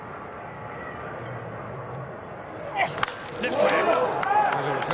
レフトへ。